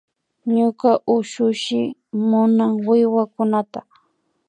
Ñuka ushushi munan wiwakunata